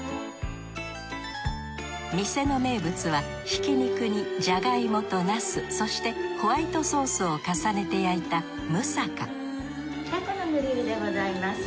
店の名物はひき肉にジャガイモとナスそしてホワイトソースを重ねて焼いたムサカタコのグリルでございます。